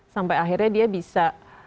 sampai akhirnya dia bisa